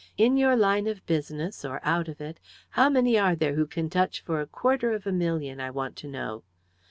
In your line of business, or out of it, how many are there who can touch for a quarter of a million, I want to know?